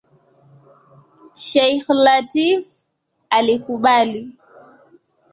Sheikh Lateef alikubali.